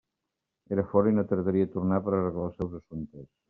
Era fora i no tardaria a tornar per a arreglar els seus assumptes.